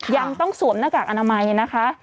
ยังต้องสวมหน้ากากอนามัยนะคะ